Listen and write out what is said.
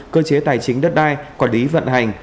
cơ chế tài chính đất đai quản lý vận hành